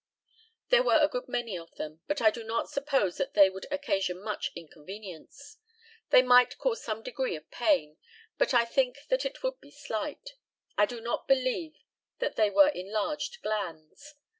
There were a good many of them, but I do not suppose that they would occasion much inconvenience. They might cause some degree of pain, but I think that it would be slight. I do not believe that they were enlarged glands.